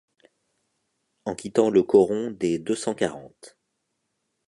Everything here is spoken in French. En quittant le coron des Deux-Cent-Quarante